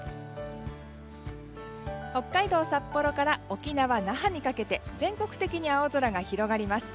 北海道札幌から沖縄・那覇にかけて全国的に青空が広がります。